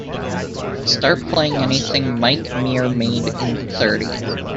Start playing anything Mike Muir made in the thirties